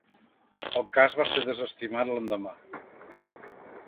El cas va ser desestimat l'endemà.